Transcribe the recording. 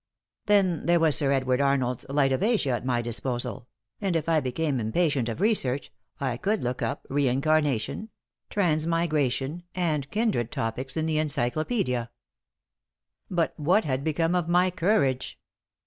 Then there was Sir Edwin Arnold's "Light of Asia" at my disposal, and, if I became impatient of research, I could look up "Reincarnation," "Transmigration" and kindred topics in the encyclopædia. But what had become of my courage?